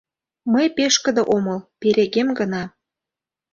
Мый пешкыде омыл, перегем гына...